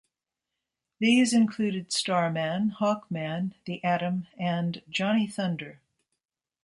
These included Starman, Hawkman, The Atom and Johnny Thunder.